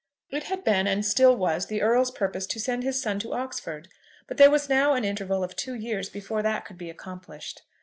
It had been, and still was, the Earl's purpose to send his son to Oxford, but there was now an interval of two years before that could be accomplished.